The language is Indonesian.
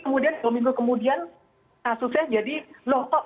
kemudian dua minggu kemudian kasusnya jadi lokok